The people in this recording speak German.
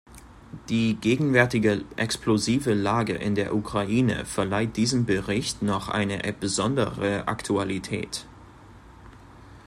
Die gegenwärtige explosive Lage in der Ukraine verleiht diesem Bericht noch eine besondere Aktualität.